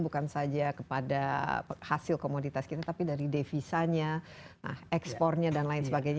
bukan saja kepada hasil komoditas kita tapi dari devisanya ekspornya dan lain sebagainya